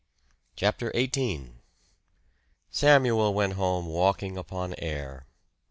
CHAPTER XVIII Samuel went home walking upon air.